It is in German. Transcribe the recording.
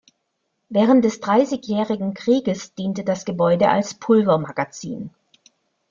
Während des Dreißigjährigen Krieges diente das Gebäude als Pulvermagazin.